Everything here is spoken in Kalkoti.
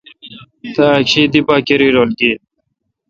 تا اک شی دی پا کری رل گین۔